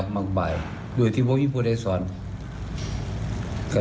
ปัญหาแจงเห็นปฏิชะ